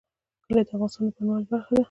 کلي د افغانستان د بڼوالۍ برخه ده.